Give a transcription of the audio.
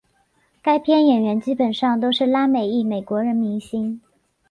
该片演员基本上都是拉美裔美国人明星。